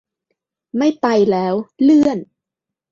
ไม่ไปแล้ว เลื่อน